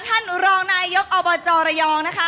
ท่านรองนายยกอบจระยองนะคะ